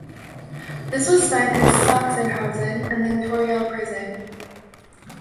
This was spent in Sachsenhausen and then Torgau Prison.